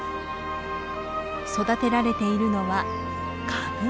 育てられているのはカブ。